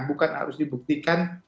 bukan harus dibuktikan